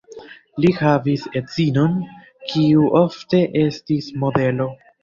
Li havis edzinon, kiu ofte estis modelo.